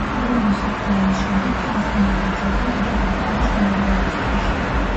პირველი მსოფლიო ომის შემდეგ ტანზანია გადავიდა დიდი ბრიტანეთის მეურვეობის ქვეშ.